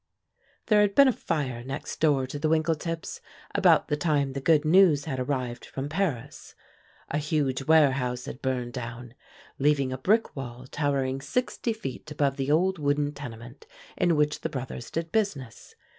There had been a fire next door to the Winkletips about the time the good news had arrived from Paris; a huge warehouse had burned down, leaving a brick wall towering sixty feet above the old wooden tenement in which the brothers did business.